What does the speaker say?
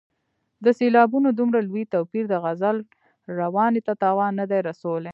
د سېلابونو دومره لوی توپیر د غزل روانۍ ته تاوان نه دی رسولی.